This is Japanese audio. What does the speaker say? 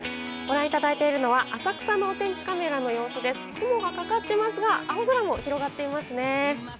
雲がかかっていますが、青空も広がっていますね。